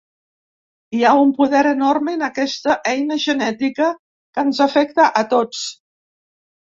Hi ha un poder enorme en aquesta eina genètica, que ens afecta a tots.